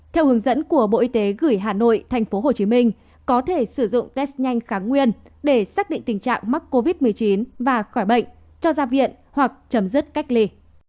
theo hướng dẫn của bộ y tế gửi hà nội tp hcm có thể sử dụng test nhanh kháng nguyên để xác định tình trạng mắc covid một mươi chín và khỏi bệnh cho ra viện hoặc chấm dứt cách ly